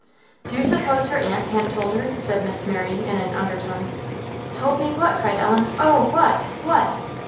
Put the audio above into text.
"Do you suppose her aunt han't told her?" said Miss Mary in an under tone. "Told me what?" cried Ellen; "Oh! what? what?"